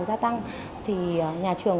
gia tăng thì nhà trường